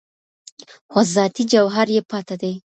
خو ذاتي جوهر یې پاته دی